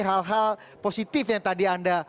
hal hal positif yang tadi anda